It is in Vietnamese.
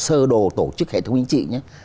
sơ đồ tổ chức hệ thống chính trị